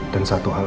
dan satu hal lagi